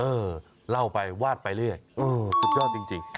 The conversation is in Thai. อืมรูปพรรคลักษณ์เออเล่าไปวาดไปเรื่อยอืมสุดยอดจริง